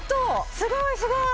すごいすごい！